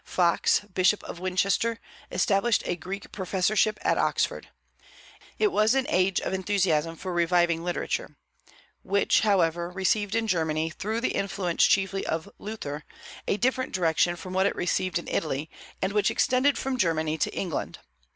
Fox, bishop of Winchester, established a Greek professorship at Oxford. It was an age of enthusiasm for reviving literature, which, however, received in Germany, through the influence chiefly of Luther, a different direction from what it received in Italy, and which extended from Germany to England.